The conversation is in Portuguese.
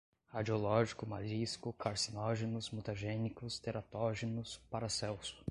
radiológico, marisco, carcinógenos, mutagênicos, teratógenos, Paracelso